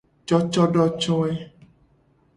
Cocodocoe.